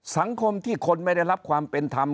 สังคมที่คนไม่ได้รับความเป็นธรรม